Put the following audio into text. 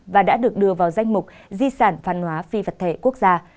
và đã được đưa vào danh mục di sản văn hóa phi vật thể quốc gia